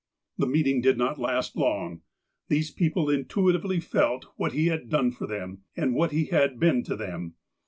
The meeting did not last long. These people in tuitively felt what he had done for them, aud what he had been to them.